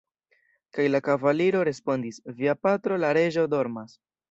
Kaj la kavaliro respondis: "Via patro, la reĝo, dormas.